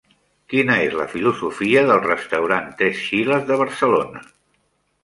Quina és la filosofia del restaurant Tres Chiles de Barcelona?